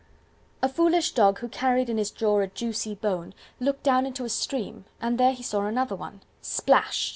A foolish Dog, who carried in his jaw A juicy bone, Looked down into a stream, and there he saw Another one, Splash!